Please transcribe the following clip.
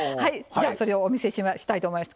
じゃあそれをお見せしたいと思います。